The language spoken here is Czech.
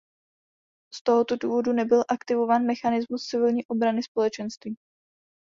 Z tohoto důvodu nebyl aktivován mechanismus civilní ochrany Společenství.